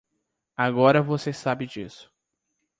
Agora você sabe disso.